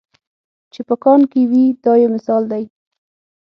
چې په کان کې وي دا یو مثال دی.